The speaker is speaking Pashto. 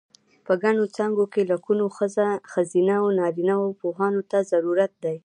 په ګڼو څانګو کې لکونو ښځینه و نارینه پوهانو ته ضرورت دی.